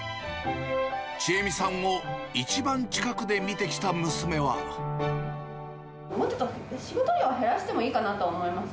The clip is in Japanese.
智恵美さんを一番近くで見てもっと仕事量は減らしていいかなと思います。